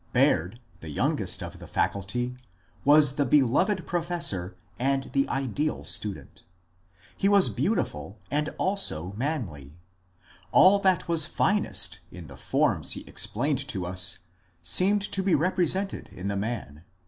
Baird, the youngest of the Faculty, was the beloved pro fessor and the ideal student. He was beautiful and also manly ; all that was finest in the forms he explained to us seemed to be represented in the man.